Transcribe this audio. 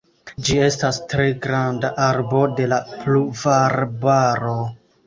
Ĝi estas tre granda arbo de la pluvarbaro.